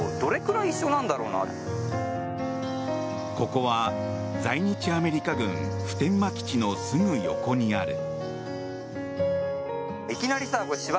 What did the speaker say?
ここは在日アメリカ軍普天間基地のすぐ横にある。